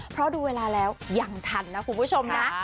เพราะดูเวลาแล้วยังทันนะคุณผู้ชมนะ